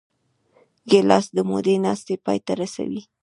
ګیلاس د مودې ناستې پای ته رسوي.